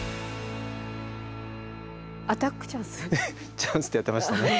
「チャンス」ってやってましたね。